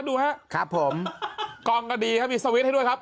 ดูครับผมกองก็ดีครับมีสวิตช์ให้ด้วยครับ